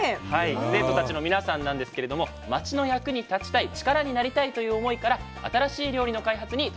生徒たちの皆さんなんですけれども町の役に立ちたい力になりたいという思いから新しい料理の開発に取り組んでいるそうです。